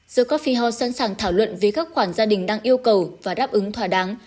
the coffee house sẵn sàng thảo luận với các khoản gia đình đang yêu cầu và đáp ứng thỏa đáng